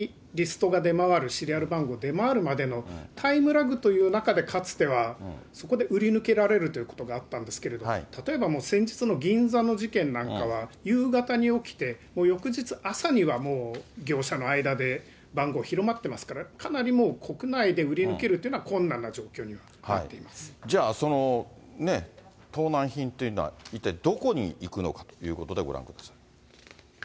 やはり盗難品の届け出があって、その古物商の間にリストが出回る、シリアル番号出回るまでのタイムラグという中でかつてはそこで売り抜けられるということがあったんですけど、例えばもう先日の銀座の事件なんかは、夕方に起きて、もう翌日朝にはもう業者の間で番号広まってますから、かなりもう、国内で売り抜けるっていうのは、じゃあ、その盗難品っていうのは一体どこに行くのかということで、ご覧ください。